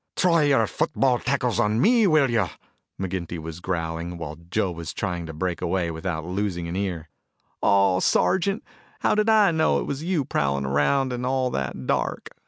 "Try your football tackles on me, will you!" McGinty was growling, while Joe was trying to break away without losing an ear. "Aw, Sergeant, how did I know it was you prowling around in all that dark?"